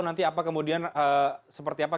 nanti apa kemudian seperti apa